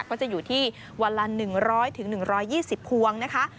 ก็จะอยู่ที่วันละ๑๐๐๑๒๐พวงนะคะ